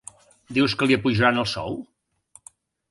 Dius que li apujaran el sou?